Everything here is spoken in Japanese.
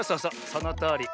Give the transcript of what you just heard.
そのとおり。